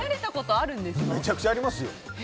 めちゃくちゃありますよ。